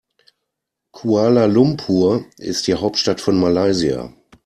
Kuala Lumpur ist die Hauptstadt von Malaysia.